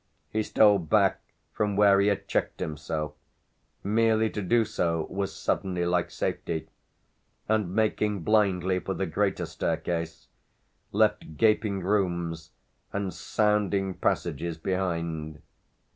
He stole back from where he had checked himself merely to do so was suddenly like safety and, making blindly for the greater staircase, left gaping rooms and sounding passages behind.